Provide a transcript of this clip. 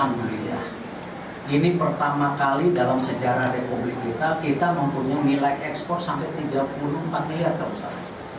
nah indonesia alhamdulillah ini pertama kali dalam sejarah republik kita kita mempunyai nilai ekspor sampai rp tiga puluh empat miliar